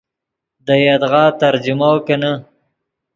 دے یدغا ترجمو کینے